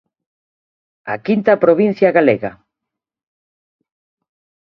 A quinta provincia galega.